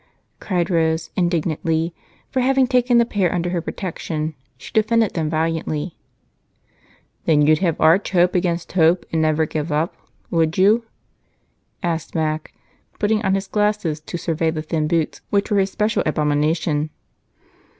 cried Rose indignantly, for, having taken the pair under her protection, she defended them valiantly. "Then you'd have Arch hope against hope and never give up, would you?" asked Mac, putting on his glasses to survey the thin boots which were his especial abomination.